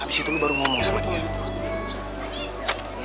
abis itu gue baru ngomong sama dia